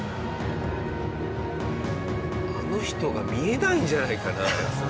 この人が見えないんじゃないかな？